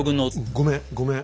ごめんごめん。